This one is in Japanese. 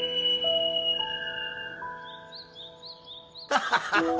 ガハハハ！